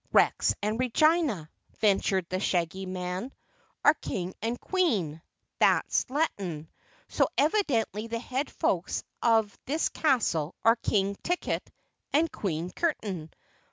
"Rex and Regina," ventured the Shaggy Man, "are King and Queen that's Latin. So evidently the head folks of this castle are King Ticket and Queen Curtain.